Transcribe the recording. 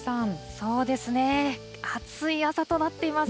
そうですね、暑い朝となっています。